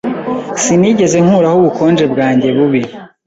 Sinigeze nkuraho ubukonje bwanjye bubi.